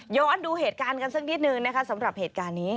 ดูเหตุการณ์กันสักนิดนึงนะคะสำหรับเหตุการณ์นี้